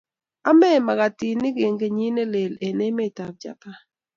Ame magatinik eng kenyit nelel eng emetab Japan